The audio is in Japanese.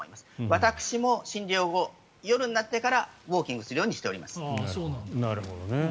私も診療後、夜になってからウォーキングするようにしています。